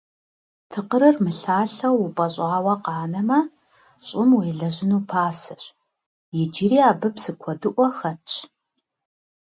Тыкъырыр мылъалъэу упӀэщӀауэ къанэмэ, щӀым уелэжьыну пасэщ, иджыри абы псы куэдыӀуэ хэтщ.